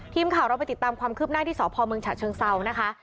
ทีมข่าวเราไปติดตามความคืบหน้าที่สพเมืองฉะเชิงเซานะคะ